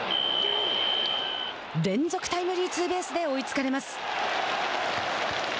連続タイムリーツーベースで追いつかれます。